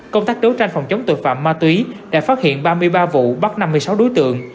công tác đấu tranh phòng chống tội phạm ma túy đã phát hiện ba mươi ba vụ bắt năm mươi sáu đối tượng